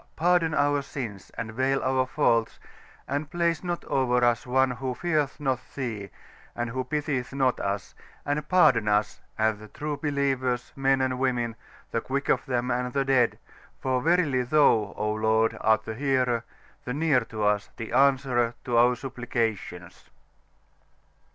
pardon our Sins, and veil our Faults, and place not over us one who feareth not Thee, and who pitieth not us, and pardon us, and the true Believers, Men and Women, the Quick of them and the Dead: for verily Thou, O Lord, art the Hearer, the near to us, the Answerer of our Supplications."